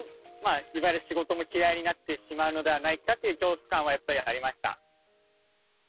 まあいわゆる仕事も嫌いになってしまうのではないかという恐怖感はやっぱりありました。